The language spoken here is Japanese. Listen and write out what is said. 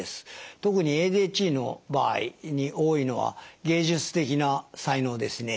特にＡＤＨＤの場合に多いのは芸術的な才能ですね。